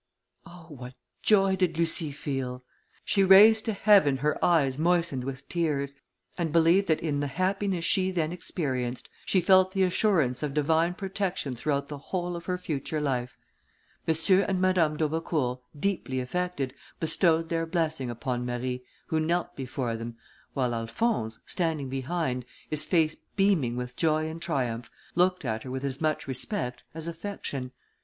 Oh! what joy did Lucie feel! She raised to heaven her eyes moistened with tears, and believed that in the happiness she then experienced, she felt the assurance of divine protection throughout the whole of her future life. M. and Madame d'Aubecourt, deeply affected, bestowed their blessing upon Marie, who knelt before them, while Alphonse, standing behind, his face beaming with joy and triumph, looked at her with as much respect as affection.